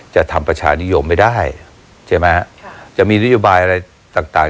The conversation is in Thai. จะทำประชานิยมไม่ได้ใช่ไหมฮะจะมีนโยบายอะไรต่างต่าง